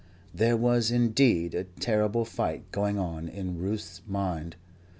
There was indeed a terrible fight going on in Ruth's mind.